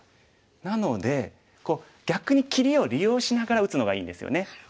なので逆に切りを利用しながら打つのがいいんですよね。